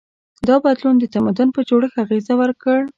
دا بدلون د تمدن په جوړښت اغېز وکړ.